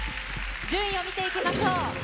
順位を見ていきましょう。